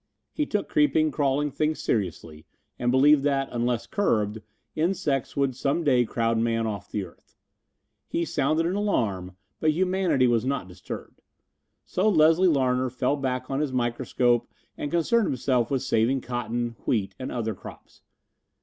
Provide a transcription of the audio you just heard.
He took creeping, crawling things seriously and believed that, unless curbed, insects would some day crowd man off the earth. He sounded an alarm, but humanity was not disturbed. So Leslie Larner fell back on his microscope and concerned himself with saving cotton, wheat and other crops.